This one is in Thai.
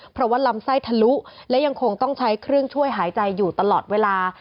เพราะว่าลำไส้ทะลุและยังคงต้องใช้เครื่องช่วยหายใจอยู่ตลอดเวลา